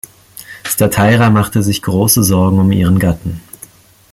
Stateira machte sich große Sorgen um ihren Gatten.